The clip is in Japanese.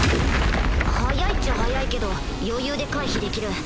速いっちゃ速いけど余裕で回避できる